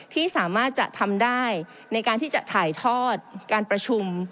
ที่สามารถจะทำได้ในการที่จะถ่ายทอดการประชุม